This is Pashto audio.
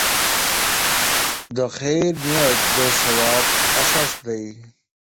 د خیر نیت د ثواب اساس دی.